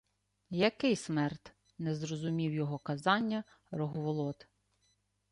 — Який смерд? — не зрозумів його казання Рогволод.